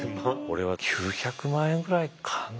俺は９００万円ぐらいかな。